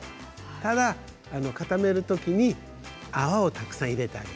ただ固めるときに泡をたくさん入れてあげる。